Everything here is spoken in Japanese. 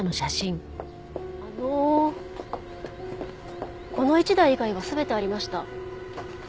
あのこの１台以外は全てありました。